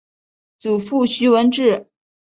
祖父徐文质。